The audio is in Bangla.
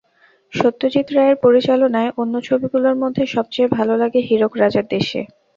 সত্যজিৎ রায়ের পরিচালনায় অন্য ছবিগুলোর মধ্যে সবচেয়ে ভালো লাগে হীরক রাজার দেশে।